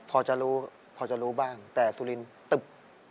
พอจะรู้พอจะรู้บ้างแต่สุรินตึบ